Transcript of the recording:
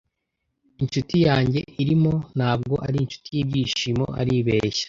Inshuti yanjye ariko ntabwo ari inshuti yibyishimo aribeshya